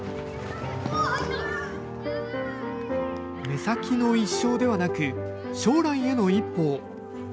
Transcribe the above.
目先の一勝ではなく、将来への一歩を。